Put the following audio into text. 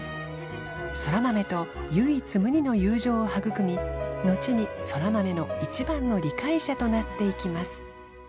空豆と唯一無二の友情を育みのちに空豆の一番の理解者となっていきます